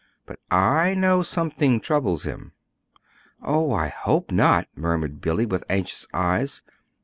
But I know something troubles him." "Oh, I hope not," murmured Billy, with anxious eyes.